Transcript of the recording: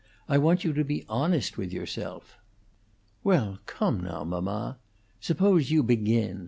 I want you to be honest with yourself." "Well, come now, mamma! Suppose you begin.